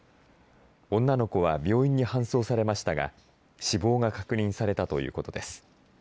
女の子は病院に搬送されましたが死亡が確認されたということです。